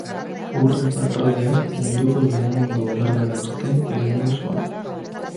Urre-patroiak Munduko Lehenengo Gerrara arte iraungo zuen.